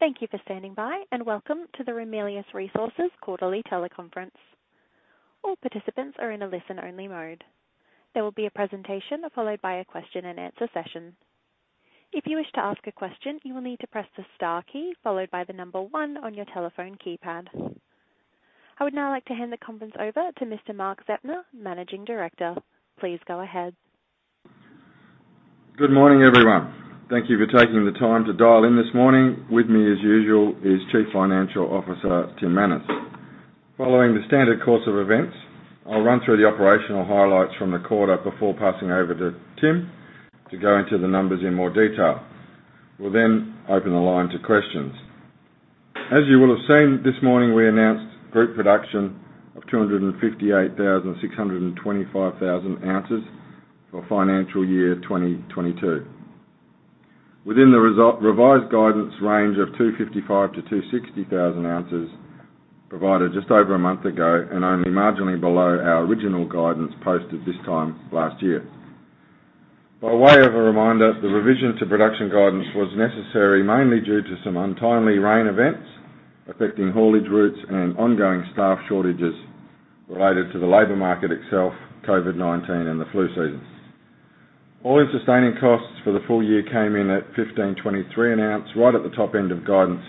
Thank you for standing by, and welcome to the Ramelius Resources quarterly teleconference. All participants are in a listen-only mode. There will be a presentation followed by a question-and-answer session. If you wish to ask a question, you will need to press the star key followed by the number 1 on your telephone keypad. I would now like to hand the conference over to Mr. Mark Zeptner, Managing Director. Please go ahead. Good morning, everyone. Thank you for taking the time to dial in this morning. With me, as usual, is Chief Financial Officer Tim Manners. Following the standard course of events, I'll run through the operational highlights from the quarter before passing over to Tim to go into the numbers in more detail. We'll then open the line to questions. As you will have seen, this morning we announced group production of 258,625 ounces for the financial year 2022. Within the result, revised guidance range of 255,000-260,000 ounces was provided just over a month ago and only marginally below our original guidance posted this time last year. By way of a reminder, the revision to production guidance was necessary mainly due to some untimely rain events affecting haulage routes and ongoing staff shortages related to the labor market itself, COVID-19, and the flu season. All-in sustaining costs for the full year came in at 1,523 an ounce, right at the top end of guidance,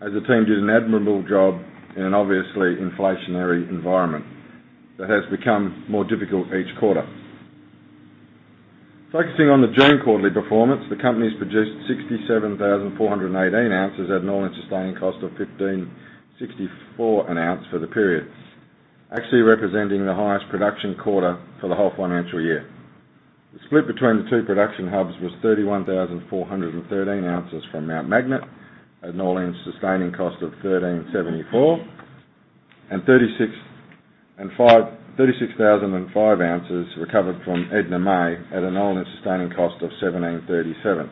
as the team did an admirable job in an obviously inflationary environment that has become more difficult each quarter. Focusing on the June quarterly performance, the company produced 67,418 ounces at an all-in sustaining cost of 1,564 per ounce for the period. Actually representing the highest production quarter for the whole financial year. The split between the two production hubs was 31,413 ounces from Mount Magnet at an all-in sustaining cost of AUD 1,374, and 36,005 ounces recovered from Edna May at an all-in sustaining cost of 1,737.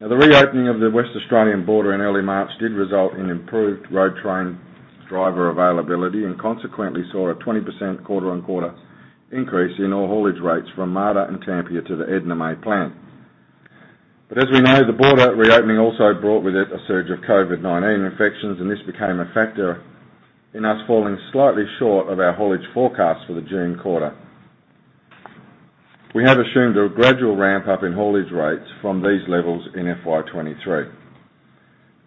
Now, the reopening of the Western Australian border in early March did result in improved road train driver availability and consequently saw a 20% quarter-on-quarter increase in all haulage rates from Marda and Tampia to the Edna May plant. As we know, the border reopening also brought with it a surge of COVID-19 infections, and this became a factor in us falling slightly short of our haulage forecast for the June quarter. We have assumed a gradual ramp-up in haulage rates from these levels in FY 2023.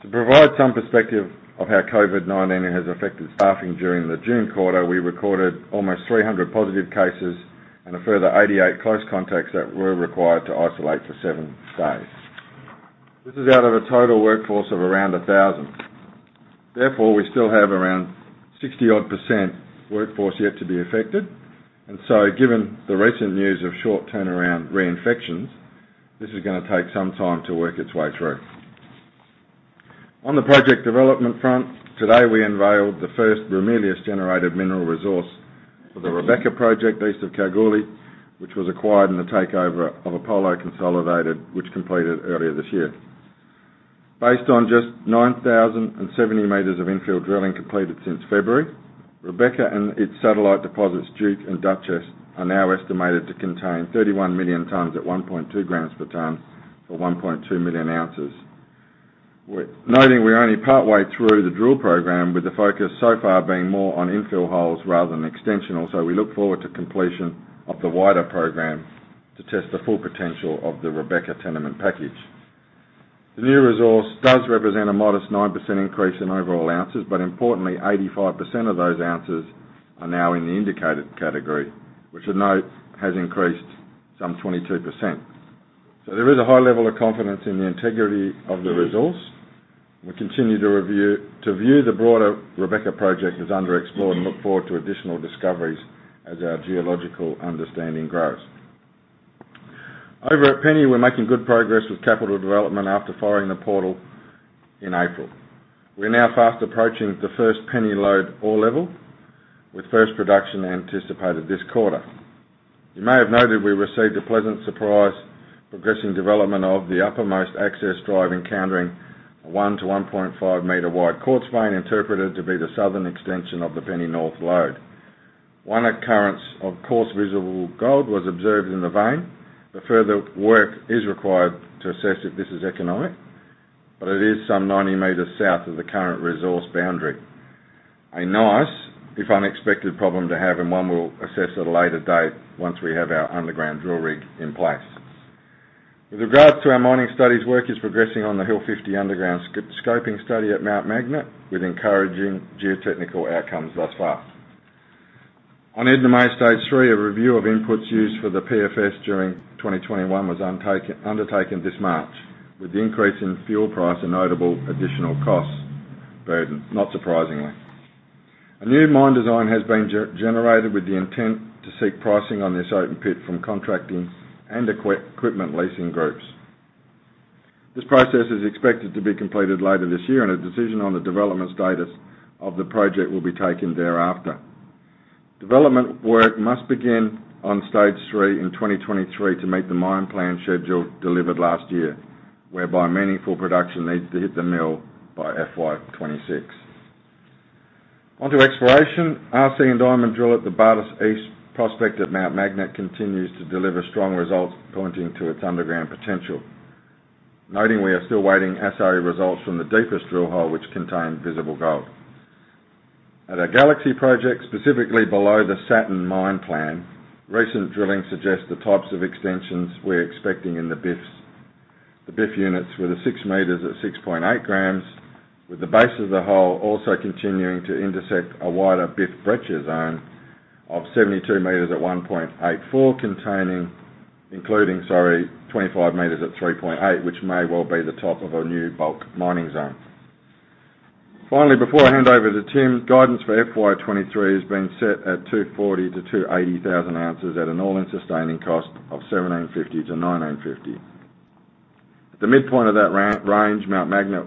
To provide some perspective on how COVID-19 has affected staffing during the June quarter, we recorded almost 300 positive cases and a further 88 close contacts that were required to isolate for 7 days. This is out of a total workforce of around 1,000. Therefore, we still have around 60-odd% workforce yet to be affected. Given the recent news of short turnaround reinfections, this is gonna take some time to work its way through. On the project development front, today we unveiled the first Ramelius-generated mineral resource for the Rebecca Project east of Kalgoorlie, which was acquired in the takeover of Apollo Consolidated, which was completed earlier this year. Based on just 9,070 meters of infill drilling completed since February, Rebecca and its satellite deposits, Duke and Duchess, are now estimated to contain 31 million tons at 1.2 grams per ton, or 1.2 million ounces. Noting we're only partway through the drill program, with the focus so far being more on infill holes rather than extensional, we look forward to completion of the wider program to test the full potential of the Rebecca tenement package. The new resource does represent a modest 9% increase in overall ounces, but importantly, 85% of those ounces are now in the indicated category, which I note has increased some 22%. There is a high level of confidence in the integrity of the resource. We continue to view the broader Rebecca project as underexplored and look forward to additional discoveries as our geological understanding grows. Over at Penny, we're making good progress with capital development after firing the portal in April. We're now fast approaching the first Penny lode ore level, with first production anticipated this quarter. You may have noted we received a pleasant surprise progressing development of the uppermost access drive, encountering a 1- to 1.5-meter wide quartz vein interpreted to be the southern extension of the Penny North lode. One occurrence of coarse visible gold was observed in the vein. Further work is required to assess if this is economic, but it is some 90 meters south of the current resource boundary. A nice, if unexpected, problem to have and one we'll assess at a later date once we have our underground drill rig in place. With regards to our mining studies, work is progressing on the Hill 50 underground scoping study at Mount Magnet, with encouraging geotechnical outcomes thus far. On Edna May Stage 3, a review of inputs used for the PFS during 2021 was undertaken this March, with the increase in fuel price a notable additional cost burden, not surprisingly. A new mine design has been generated with the intent to seek pricing on this open pit from contracting and equipment leasing groups. This process is expected to be completed later this year, and a decision on the development status of the project will be taken thereafter. Development work must begin on Stage 3 in 2023 to meet the mine plan schedule delivered last year, whereby meaningful production needs to hit the mill by FY 2026. On to exploration. RC and diamond drill at the Bartus East Prospect at Mount Magnet continues to deliver strong results, pointing to its underground potential. Noting we are still waiting for assay results from the deepest drill hole, which contained visible gold. At our Galaxy project, specifically below the Saturn mine plan, recent drilling suggests the types of extensions we're expecting in the BIFs. The BIF units with the 6 meters at 6.8 grams, with the base of the hole also continuing to intersect a wider BIF breccia zone of 72 meters at 1.84, containing 25 meters at 3.8, which may well be the top of our new bulk mining zone. Finally, before I hand over to Tim, guidance for FY 2023 has been set at 240,000-280,000 ounces at an all-in sustaining cost of 790-990. The midpoint of that range, Mount Magnet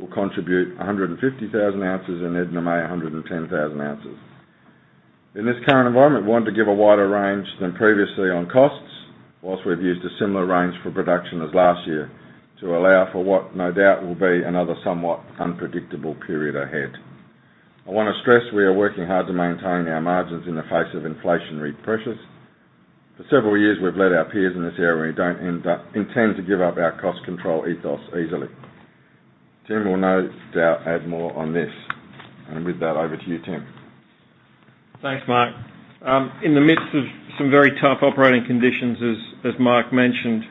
will contribute 150,000 ounces, and Edna May 110,000 ounces. In this current environment, we want to give a wider range than previously on costs, while we've used a similar range for production as last year, to allow for what no doubt will be another somewhat unpredictable period ahead. I wanna stress we are working hard to maintain our margins in the face of inflationary pressures. For several years, we've led our peers in this area and we don't intend to give up our cost control ethos easily. Tim will no doubt add more on this. With that, over to you, Tim. Thanks, Mark. In the midst of some very tough operating conditions, as Mark mentioned,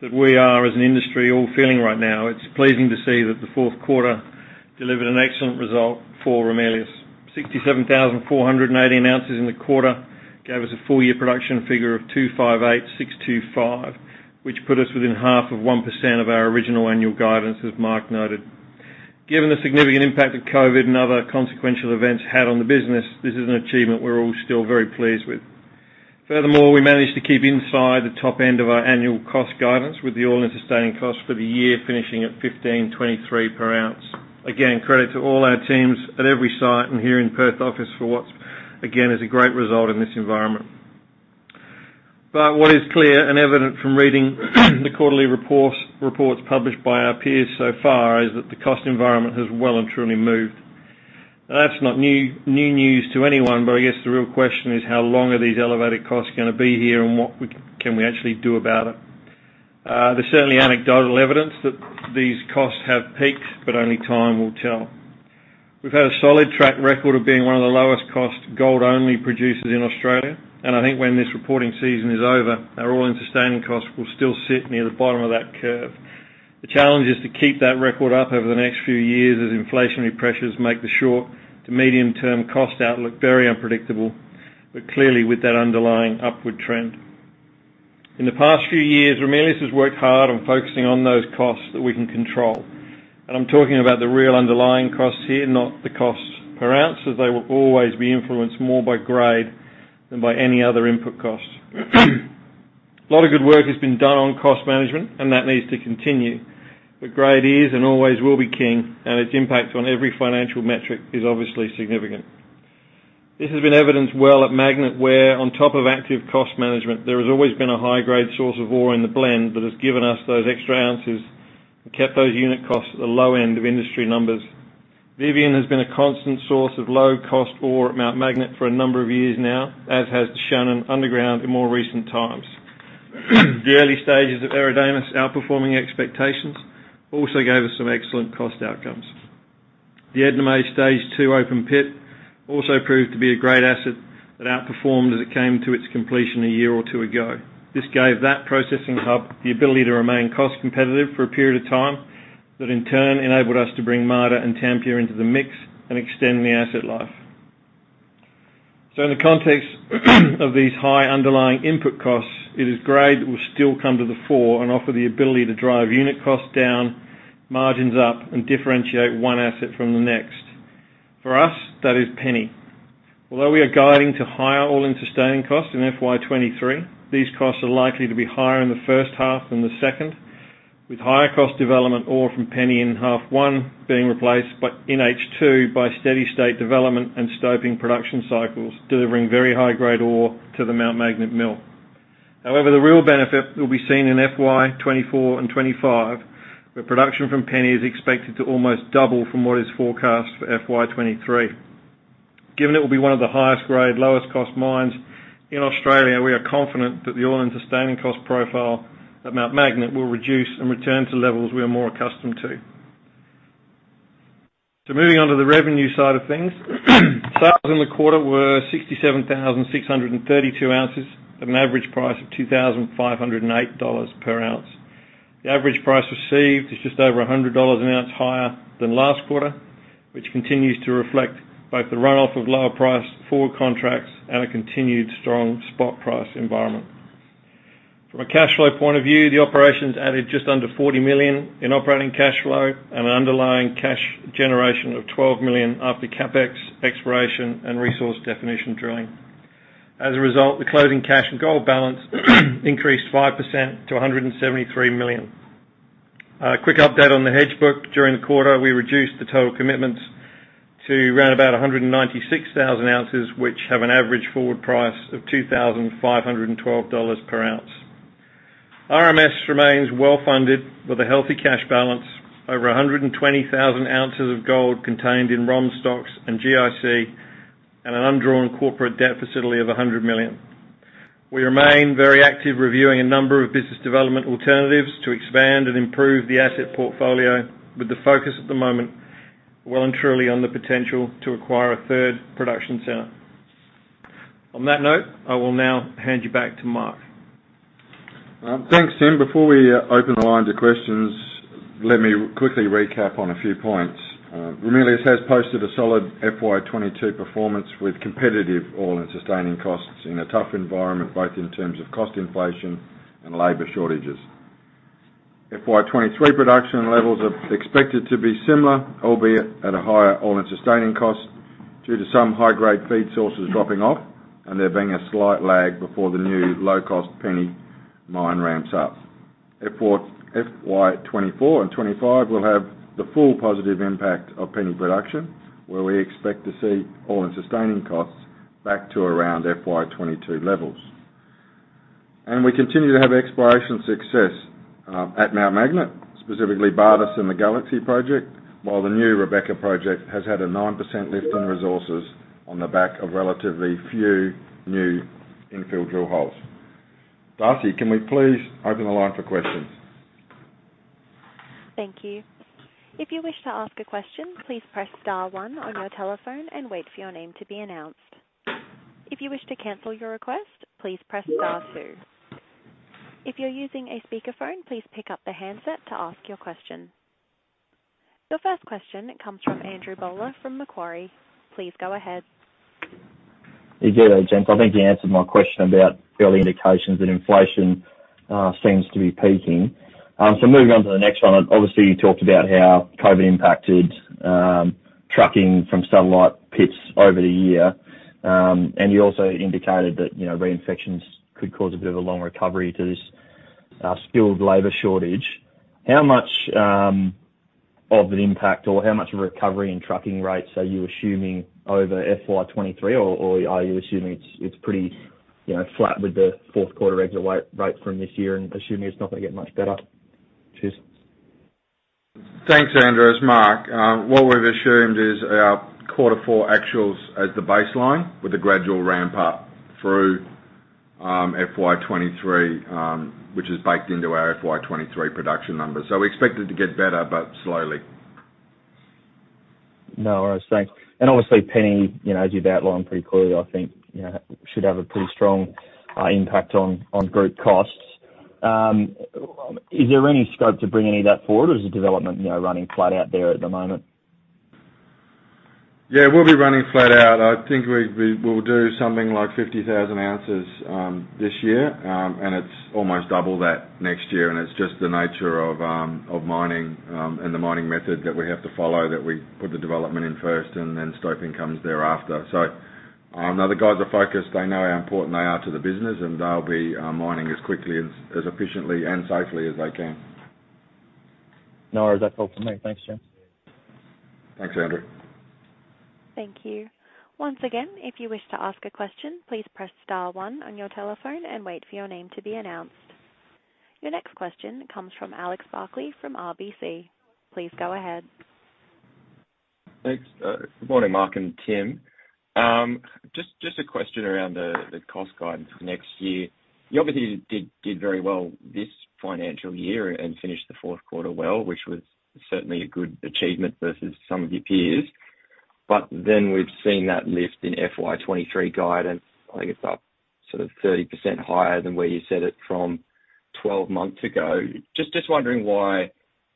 that we are as an industry all feeling right now, it's pleasing to see that the Q4 delivered an excellent result for Ramelius. 67,480 ounces in the quarter gave us a full-year production figure of 258,625, which put us within 0.5% of our original annual guidance, as Mark noted. Given the significant impact that COVID and other consequential events had on the business, this is an achievement we're all still very pleased with. Furthermore, we managed to keep inside the top end of our annual cost guidance with the all-in sustaining cost for the year finishing at 1,523 per ounce. Again, credit to all our teams at every site and here in the Perth office for what again is a great result in this environment. What is clear and evident from reading the quarterly reports published by our peers so far is that the cost environment has well and truly moved. That's not new news to anyone, but I guess the real question is how long are these elevated costs gonna be here, and what can we actually do about it. There's certainly anecdotal evidence that these costs have peaked, but only time will tell. We've had a solid track record of being one of the lowest cost gold-only producers in Australia, and I think when this reporting season is over, our all-in sustaining cost will still sit near the bottom of that curve. The challenge is to keep that record up over the next few years as inflationary pressures make the short to medium-term cost outlook very unpredictable, but clearly with that underlying upward trend. In the past few years, Ramelius has worked hard on focusing on those costs that we can control. I'm talking about the real underlying costs here, not the costs per ounce, as they will always be influenced more by grade than by any other input costs. A lot of good work has been done on cost management, and that needs to continue. Grade is and always will be king, and its impact on every financial metric is obviously significant. This has been evidenced well at Mount Magnet, where on top of active cost management, there has always been a high grade source of ore in the blend that has given us those extra ounces and kept those unit costs at the low end of industry numbers. Vivian has been a constant source of low-cost ore at Mount Magnet for a number of years now, as has the Shannon underground in more recent times. The early stages of Eridanus outperforming expectations also gave us some excellent cost outcomes. The Edna May Stage Two open pit also proved to be a great asset that outperformed as it came to its completion a year or two ago. This gave that processing hub the ability to remain cost competitive for a period of time that in turn enabled us to bring Marda and Tampia into the mix and extend the asset life. In the context of these high underlying input costs, it is grade that will still come to the fore and offer the ability to drive unit cost down, margins up, and differentiate one asset from the next. For us, that is Penny. Although we are guiding to higher all-in sustaining costs in FY 2023, these costs are likely to be higher in the first half than the second, with higher cost development ore from Penny in H1 being replaced in H2 by steady state development and stoping production cycles, delivering very high-grade ore to the Mount Magnet mill. However, the real benefit will be seen in FY 2024 and 2025, where production from Penny is expected to almost double from what is forecast for FY 2023. Given it will be one of the highest grade, lowest cost mines in Australia, we are confident that the all-in sustaining cost profile at Mount Magnet will reduce and return to levels we are more accustomed to. Moving on to the revenue side of things. Sales in the quarter were 67,632 ounces at an average price of 2,508 dollars per ounce. The average price received is just over 100 dollars an ounce, higher than last quarter, which continues to reflect both the runoff of lower priced forward contracts and a continued strong spot price environment. From a cash flow point of view, the operations added just under 40 million in operating cash flow and an underlying cash generation of 12 million after CapEx, exploration, and resource definition drilling. As a result, the closing cash and gold balance increased 5% to 173 million. Quick update on the hedge book. During the quarter, we reduced the total commitments to around 196,000 ounces, which have an average forward price of 2,512 dollars per ounce. RMS remains well-funded with a healthy cash balance, over 120,000 ounces of gold contained in ROM stocks and GIC, and an undrawn corporate debt facility of 100 million. We remain very active reviewing a number of business development alternatives to expand and improve the asset portfolio, with the focus at the moment well and truly on the potential to acquire a third production center. On that note, I will now hand you back to Mark. Thanks, Tim. Before we open the line to questions, let me quickly recap on a few points. Ramelius has posted a solid FY22 performance with competitive all-in sustaining costs in a tough environment, both in terms of cost inflation and labor shortages. FY23 production levels are expected to be similar, albeit at a higher all-in sustaining cost due to some high grade feed sources dropping off and there being a slight lag before the new low-cost Penny mine ramps up. FY24 and 25 will have the full positive impact of Penny production, where we expect to see all-in sustaining costs back to around FY22 levels. We continue to have exploration success at Mt Magnet, specifically Bartus and the Galaxy project, while the new Rebecca project has had a 9% lift in resources on the back of relatively few new infill drill holes. Darcy, can we please open the line for questions? Thank you. If you wish to ask a question, please press star 1 on your telephone and wait for your name to be announced. If you wish to cancel your request, please press star 2. If you're using a speakerphone, please pick up the handset to ask your question. Your first question comes from Andrew Bowler from Macquarie. Please go ahead. Yeah. Thanks, gents. I think you answered my question about early indications that inflation seems to be peaking. Moving on to the next one, obviously, you talked about how COVID impacted trucking from satellite pits over the year. You also indicated that, reinfections could cause a bit of a long recovery to this skilled labor shortage. How much of an impact, or how much recovery in trucking rates are you assuming over FY23, or are you assuming it's pretty, you know, flat with the Q4 exit rate from this year and assuming it's not gonna get much better? Cheers. Thanks, Andrew. It's Mark. What we've assumed is our quarter four actuals as the baseline with a gradual ramp up through FY23, which is baked into our FY23 production numbers. We expect it to get better, but slowly. No, I see. Obviously, Penny, you know, as you've outlined pretty clearly, I think, you know, should have a pretty strong impact on group costs. Is there any scope to bring any of that forward, or is the development, you know, running flat out there at the moment? We'll be running flat out. I think we'll do something like 50,000 ounces this year. It's almost double that next year. It's just the nature of mining and the mining method that we have to follow, that we put the development in first and then stoping comes thereafter. The guys are focused. They know how important they are to the business, and they'll be mining as quickly, efficiently, and safely as they can. No, that's all for me. Thanks, Zeptner. Thanks, Andrew. Thank you. Once again, if you wish to ask a question, please press star 1 on your telephone and wait for your name to be announced. Your next question comes from Alex Barkley from RBC. Please go ahead. Thanks. Good morning, Mark Zeptner and Tim Manners. Just a question around the cost guidance for next year. You obviously did very well this financial year and finished the Q4 well, which was certainly a good achievement versus some of your peers. We've seen that lift in FY 2023 guidance, I guess, up sort of 30% higher than where you set it from 12 months ago. Just wondering why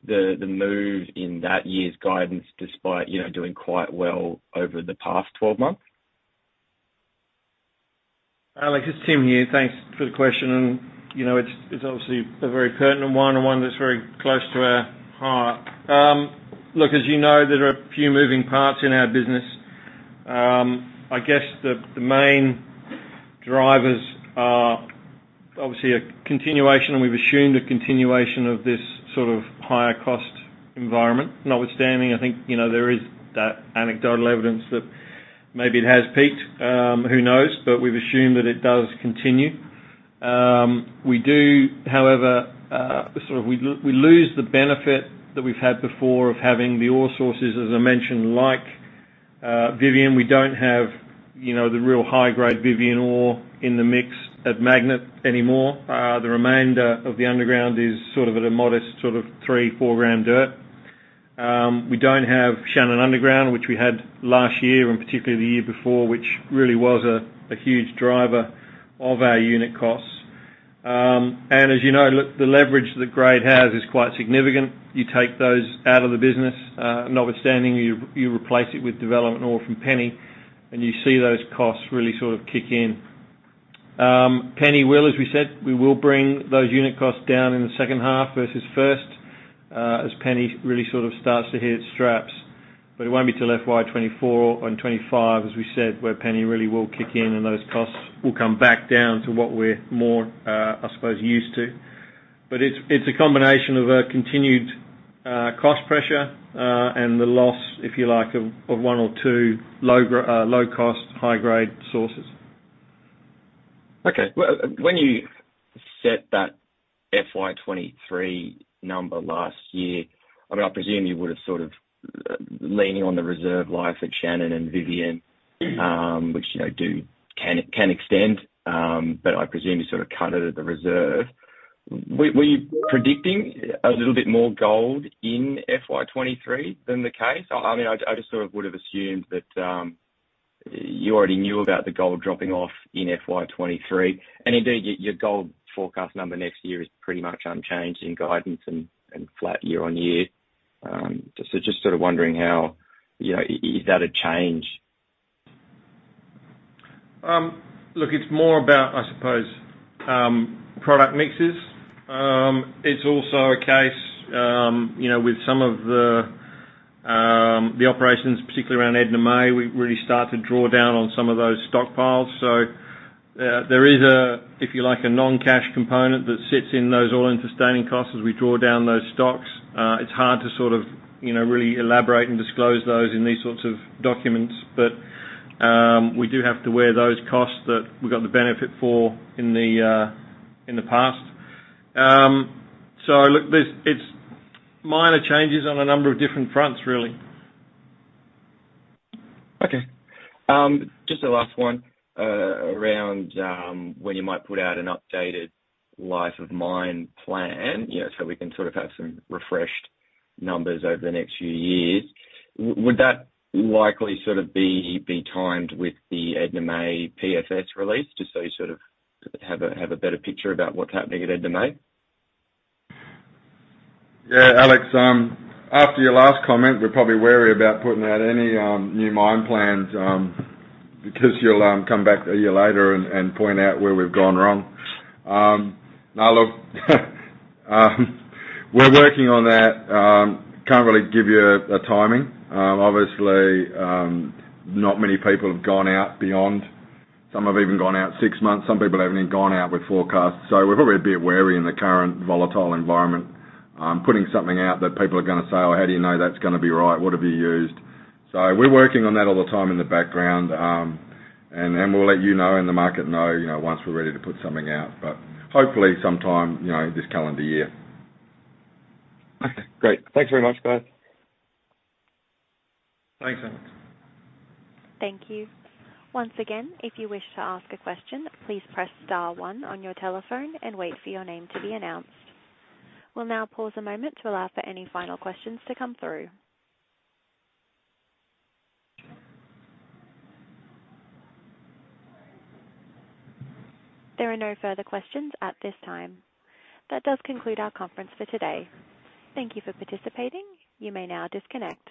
the move in that year's guidance despite, you know, doing quite well over the past 12 months. Alex, it's Tim here. Thanks for the question. It's obviously a very pertinent one and one that's very close to our hearts. Look, as you know, there are a few moving parts in our business. I guess the main drivers are obviously a continuation, and we've assumed a continuation of this sort of higher cost environment. Notwithstanding, I think, you know, there is that anecdotal evidence that maybe it has peaked. Who knows? We've assumed that it does continue. We do, however, We lose the benefit that we've had before of having the ore sources, as I mentioned, like Vivian. We don't have, you know, the real high-grade Vivian ore in the mix at Magnet anymore. The remainder of the underground is sort of at a modest sort of 3-4 g/t. We don't have Shannon underground, which we had last year and particularly the year before, which really was a huge driver of our unit costs. As you know, look, the leverage that grade has is quite significant. You take those out of the business, notwithstanding, you replace it with development ore from Penny, and you see those costs really sort of kick in. Penny will, as we said, we will bring those unit costs down in the second half versus the first, as Penny really sort of starts to hit its straps. It won't be till FY 2024 and 2025, as we said, where Penny really will kick in, and those costs will come back down to what we're more, I suppose, used to. It's a combination of a continuous. Cost pressure and the loss, if you like, of one or two low cost, high grade sources. Okay. Well, when you set that FY 2023 number last year, I mean, I presume you would have sort of leaning on the reserve life at Shannon and Vivian. Which can extend. I presume you sort of cut it at the reserve. Were you predicting a little bit more gold in FY 2023 than is the case? I mean, I just sort of would have assumed that you already knew about the gold dropping off in FY23. Indeed, your gold forecast number next year is pretty much unchanged in guidance and flat year on year. Just wondering how, you know, is that a change? Look, it's more about, I suppose, product mixes. It's also a case, you know, with some of the operations, particularly around Edna May, we really start to draw down on some of those stockpiles. There is, if you like, a non-cash component that sits in those all-in sustaining costs as we draw down those stocks. It's hard to sort of, you know, really elaborate and disclose those in these sorts of documents, but we do have to weigh those costs that we got the benefit for in the, in the past. Look, there's, it's minor changes on a number of different fronts, really. Okay. Just a last one. Around when you might put out an updated life of mine plan, we can have some refreshed numbers over the next few years. Would that likely sort of be timed with the Edna May PFS release, just so you sort of have a better picture about what's happening at Edna May? Alex, after your last comment, we're probably wary about putting out any new mine plans because you'll come back a year later and point out where we've gone wrong. Now look, we're working on that. Can't really give you a timing. Obviously, not many people have gone out beyond. Some have even gone out for 6 months. Some people haven't even gone out with forecasts. We're probably a bit wary in the current volatile environment putting something out that people are gonna say, "Well, how do you know that's gonna be right? What have you used?" We're working on that all the time in the background and then we'll let you know and the market know, once we're ready to put something out. Hopefully sometime, this calendar year. Okay, great. Thanks very much, guys. Thanks, Alex. Thank you. Once again, if you wish to ask a question, please press star 1 on your telephone and wait for your name to be announced. We'll now pause a moment to allow for any final questions to come through. There are no further questions at this time. That does conclude our conference for today. Thank you for participating. You may now disconnect.